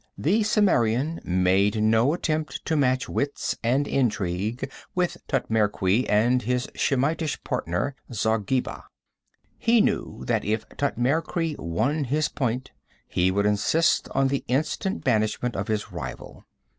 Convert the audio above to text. The Cimmerian made no attempt to match wits and intrigue with Thutmekri and his Shemitish partner, Zargheba. He knew that if Thutmekri won his point, he would insist on the instant banishment of his rival.